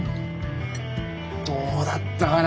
どうだったかな